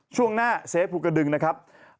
ช่วงหน้าเซฟภูกระดึงนะครับ